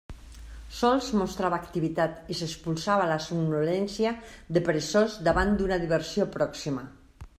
Sols mostrava activitat i s'espolsava la somnolència de peresós davant d'una diversió pròxima.